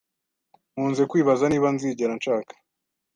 Nkunze kwibaza niba nzigera nshaka.